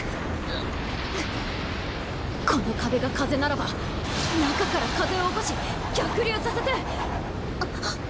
この壁が風ならば中から風を起こし逆流させて！